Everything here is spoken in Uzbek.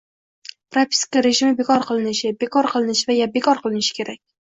Propiska rejimi bekor qilinishi, bekor qilinishi va yana bekor qilinishi kerak